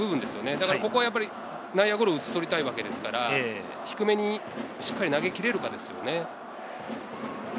だからここは内野ゴロを打ち取りたいわけですから、低めにしっかり投げきれるかですね。